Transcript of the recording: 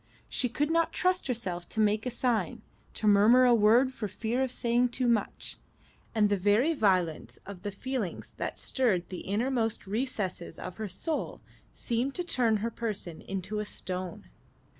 She could not trust herself to make a sign, to murmur a word for fear of saying too much; and the very violence of the feelings that stirred the innermost recesses of her soul seemed to turn her person into a stone.